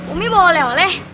umi bawa leh